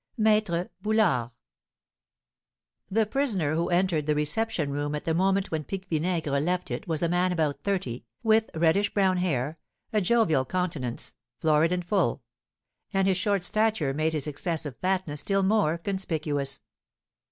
MAÎTRE BOULARD. The prisoner who entered the reception room at the moment when Pique Vinaigre left it was a man about thirty, with reddish brown hair, a jovial countenance, florid and full; and his short stature made his excessive fatness still more conspicuous.